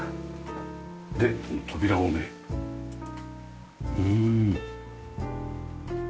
で扉をねうん。